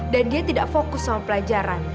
dan dia tidak fokus sama pelajaran